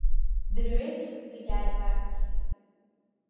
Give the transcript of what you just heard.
Дырҩегьых зегь ааибарччеит.